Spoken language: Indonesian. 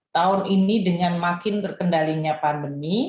tahun ini dengan makin terkendalinya pandemi